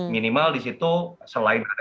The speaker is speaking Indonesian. minimal di situ selain ada